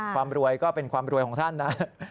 ความรวยก็เป็นความรวยของท่านนะ